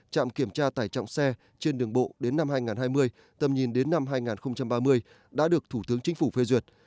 trạm kiểm tra tải trọng xe trên đường bộ đến năm hai nghìn hai mươi tầm nhìn đến năm hai nghìn ba mươi đã được thủ tướng chính phủ phê duyệt